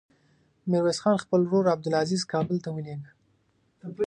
ميرويس خان خپل ورور عبدلعزير کابل ته ولېږه.